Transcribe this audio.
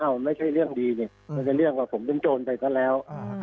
อ้าวไม่ใช่เรื่องดีมันก็เป็นเรื่องกว่าผมเป็นโจรไปก็แล้ว